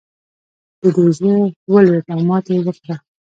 د دوی زړه ولوېد او ماته یې وکړه.